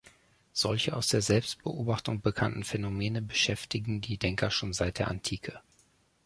Solche aus der Selbstbeobachtung bekannten Phänomene beschäftigen die Denker schon seit der Antike.